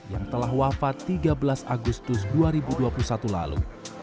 yang telah wafat tiga belas agustus dua ribu dua puluh satu lalu